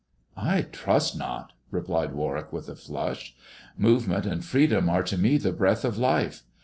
I trust not," replied Warwick, with a flush. " Move ment and freedom are to me the breath of life.